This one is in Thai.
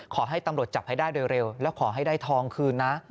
ขอให้ตำรวจจับให้ได้โดยเร็วแล้วขอให้ได้ทองคืนนะ